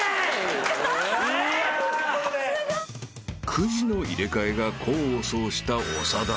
［くじの入れ替えが功を奏した長田］